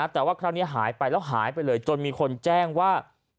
แต่ว่าคราวนี้หายไปแล้วหายไปเลยจนมีคนแจ้งว่า